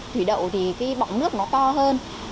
thủy đậu thì cái bỏng nước nó to hơn